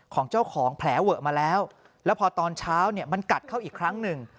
ของเจ้าของแผลเวอะมาแล้วแล้วพอตอนเช้าเนี่ยมันกัดเข้าอีกครั้งหนึ่ง